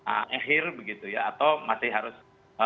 akhir begitu ya atau masih harus